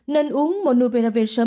nên uống monopiravir sớm